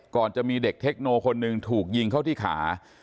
ก่อนจะมีเด็กเทคโนคนหนึ่งถูกยิงเข้าที่ขา